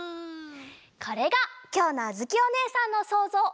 これがきょうのあづきおねえさんのそうぞう。